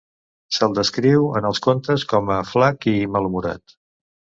Se'l descriu en els contes com a flac i malhumorat.